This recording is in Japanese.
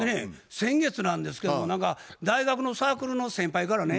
先月なんですけども何か大学のサークルの先輩からね